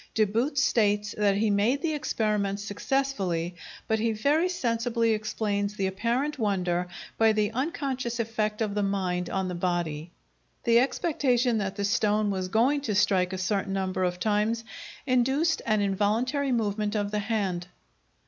De Boot states that he made the experiment successfully, but he very sensibly explains the apparent wonder by the unconscious effect of the mind on the body. The expectation that the stone was going to strike a certain number of times induced an involuntary movement of the hand.